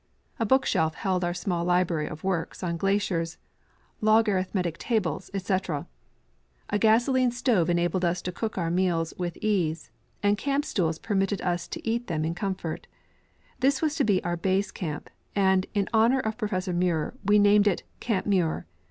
A book shelf held our small library of works on glaciers, logarithmetic tables, etc. A gasoline stove enabled us to cook our meals with ease, and camp stools permitted us to eat them in comfort. This Avas to be our base camp, and, in honor of Professor Muir, we named it camp Muir.